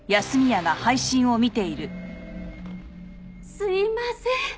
すいません。